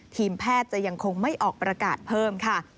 ทีมแพทย์จะยังคงไม่ออกประกาศเพิ่มค่ะ